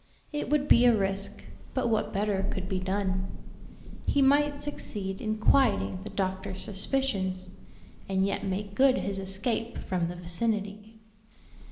It would be a risk, but what better could be done? He might succeed in quieting the doctor's suspicions, and yet make good his escape from the vicinity.